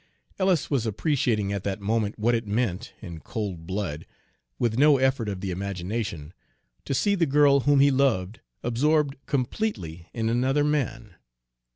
Ellis was appreciating at that moment what it meant, in cold blood, with no effort of the imagination, to see the girl whom he loved absorbed completely in another man.